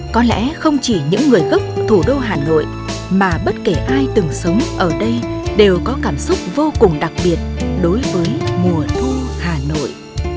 có lẽ không chỉ những người gốc thủ đô hà nội mà bất kể ai từng sống ở đây đều có cảm xúc vô cùng đặc biệt đối với mùa thu hà nội